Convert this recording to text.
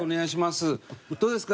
どうですか？